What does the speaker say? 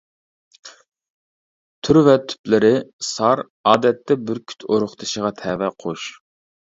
تۈر ۋە تىپلىرى سار ئادەتتە بۈركۈت ئۇرۇقدىشىغا تەۋە قۇش.